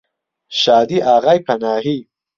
شادی ئاغای پەناهی